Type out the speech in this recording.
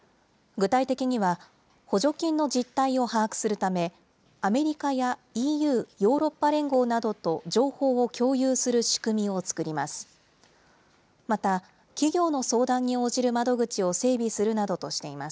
具体的には、補助金の実態を把握するため、アメリカやＥＵ・ヨーロッパ連合などと情報を共有する仕組みを作ります。